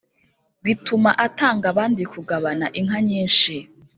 bituma atanga abandi kugabana inka nyinshi.